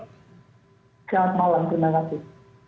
selamat malam terima kasih